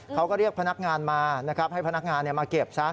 เขาก็เรียกพนักงานมานะครับให้พนักงานมาเก็บซะ